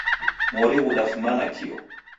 Mori ghudafuma nakio.